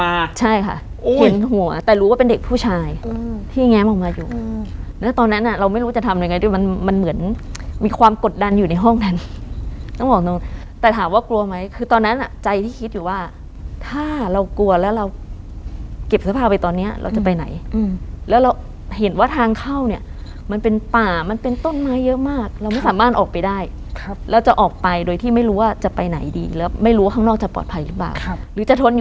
อืมอืมอืมอืมอืมอืมอืมอืมอืมอืมอืมอืมอืมอืมอืมอืมอืมอืมอืมอืมอืมอืมอืมอืมอืมอืมอืมอืมอืมอืมอืมอืมอืมอืมอืมอืมอืมอืมอืมอืมอืมอืมอืมอืมอืมอืมอืมอืมอืมอืมอืมอืมอืมอืมอืมอ